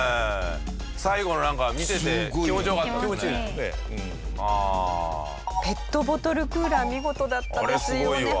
最後のなんかペットボトルクーラー見事だったですよね。